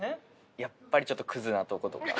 やっぱりちょっとクズなとことか。